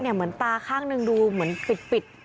เหมือนตาข้างหนึ่งดูเหมือนปิด